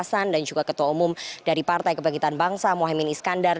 hasan dan juga ketua umum dari partai kebangkitan bangsa mohaimin iskandar